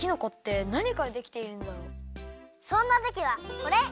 そんなときはこれ！